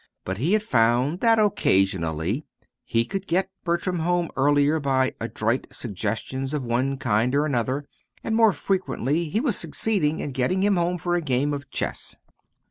But he had found that occasionally he could get Bertram home earlier by adroit suggestions of one kind or another; and more and more frequently he was succeeding in getting him home for a game of chess.